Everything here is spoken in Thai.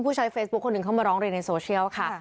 ใช้เฟซบุ๊คคนหนึ่งเข้ามาร้องเรียนในโซเชียลค่ะ